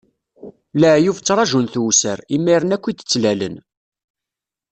Leεyub ttraǧun tewser, imiren akk i d-ttlalen.